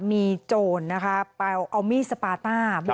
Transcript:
มีโจรนะคะไปเอามีดสปาต้า